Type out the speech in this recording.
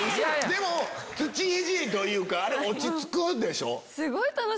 でも土いじりというかあれ落ち着くでしょ。